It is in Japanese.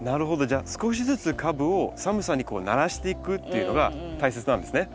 じゃあ少しずつ株を寒さに慣らしていくっていうのが大切なんですね。